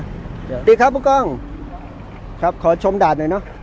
สวัสดีครับบุคคล์ขอชมด่านหน่อยเนาะ